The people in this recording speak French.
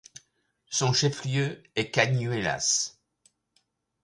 Son chef-lieu est Cañuelas.